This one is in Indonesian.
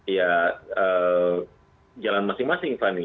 ya jalan masing masing fanny